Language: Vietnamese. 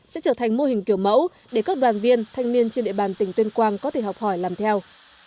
sẽ trở thành mô hình kiểu mẫu để các đoàn viên thanh niên trên địa bàn tỉnh tuyên quang có thể học hỏi làm theo